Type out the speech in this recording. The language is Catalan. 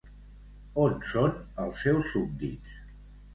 On són els seus súbdits?